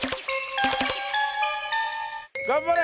頑張れ！